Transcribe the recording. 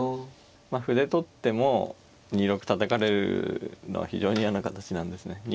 まあ歩で取っても２六たたかれるのは非常に嫌な形なんですね。